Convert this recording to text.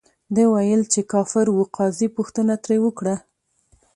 ده ویل، چې کافر ؤ. قاضي پوښتنه ترې وکړه،